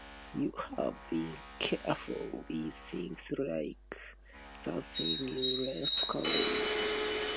You have been careless with things like that since you left college.